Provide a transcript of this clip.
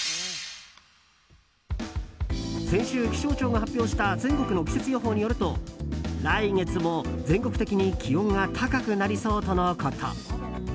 先週、気象庁が発表した全国の季節予報によると来月も全国的に気温が高くなりそうとのこと。